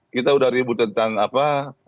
kita sudah ribut tentang apa